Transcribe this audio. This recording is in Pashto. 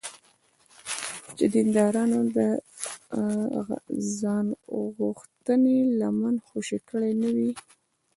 چې دیندارانو د ځانغوښتنې لمن خوشې کړې نه وي.